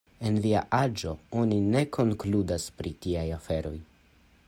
En via aĝo oni ne konkludas pri tiaj aferoj.